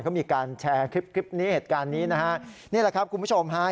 เขามีการแชร์คลิปนี้เหตุการณ์นี้นะครับ